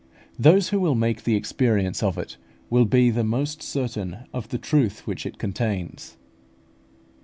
Those who will make the experience of it will be the most certain of the truth which it contains.